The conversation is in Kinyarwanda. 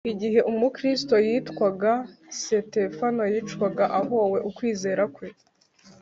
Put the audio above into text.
Igihe Umukristo witwaga Sitefano yicwaga ahowe ukwizera kwe